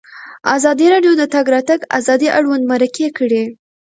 ازادي راډیو د د تګ راتګ ازادي اړوند مرکې کړي.